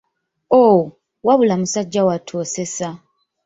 Oh, wabula musajja wattu osesa.